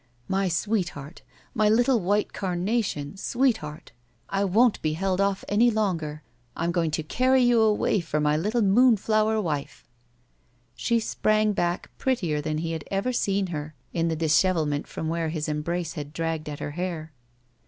"My sweetheart! My little white carnation sweetheart! I won't be held off any longer. I'm going to carry you away for my little moonflower wife." She sprang back prettier than he had ever seen her in the dishevelment from where his embrace had dragged at her hair.